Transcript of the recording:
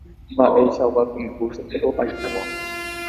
Mba'eichagua concurso-piko aipóva.